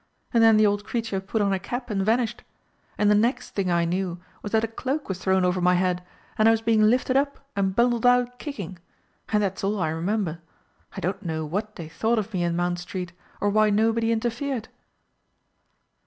And then the old creature put on a cap and vanished. And the next thing I knew was that a cloak was thrown over my head and I was being lifted up and bundled out kicking and that's all I remember. I don't know what they thought of me in Mount Street, or why nobody interfered."